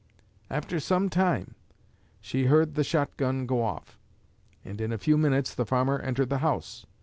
After some time she heard the shotgun go off, and in a few minutes the farmer entered the house.